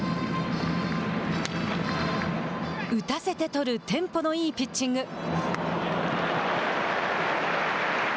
打たせて取るテンポのいいピッチング。